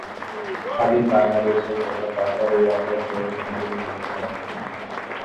স্বাধীন বাংলাদেশের প্রথম জাতীয় নির্বাচনে জয়ী হয়ে তিনি মন্ত্রীর দায়িত্ব পান।